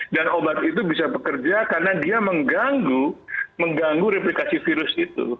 dan obat itu bisa bekerja karena dia mengganggu replikasi virus itu